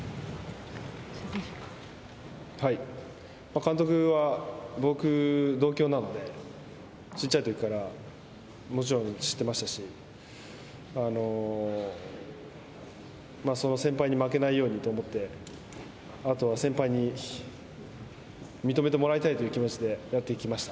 監督は僕、同郷なので、ちっちゃいときから、もちろん知ってましたし、その先輩に負けないようにと思って、あとは先輩に認めてもらいたいという気持ちでやってきました。